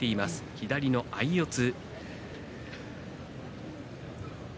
左の相四つ。